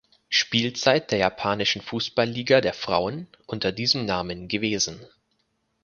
Spielzeit der japanischen Fußballliga der Frauen unter diesem Namen gewesen.